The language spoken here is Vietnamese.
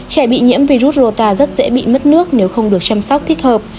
trẻ bị nhiễm virus rota rất dễ bị mất nước nếu không được chăm sóc thích hợp